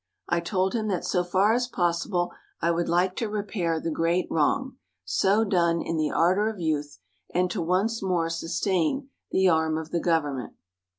I told him that so far as possible I would like to repair the great wrong so done in the ardor of youth and to once more sustain the arm of the government.